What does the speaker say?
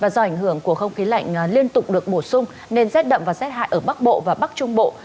do ảnh hưởng của không khí lạnh liên tục được bổ sung nên rét đậm và rét hại ở bắc bộ và bắc trung bộ